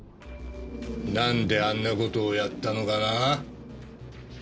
なんであんな事をやったのかな？